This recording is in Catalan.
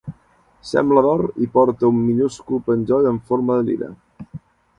Sembla d'or i porta un minúscul penjoll en forma de lira.